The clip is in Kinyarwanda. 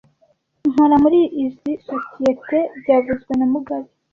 Nkora muri izoi sosizoete byavuzwe na mugabe